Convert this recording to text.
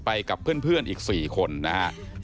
ไปกับเพื่อนอีก๔คนนะครับ